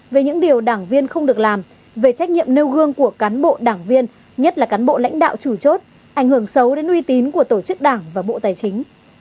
về những điều đảng viên không được làm về trách nhiệm nêu gương của cán bộ đảng viên nhất là cán bộ lãnh đạo chủ chốt ảnh hưởng xấu đến uy tín của tổ chức đảng và bộ tài chính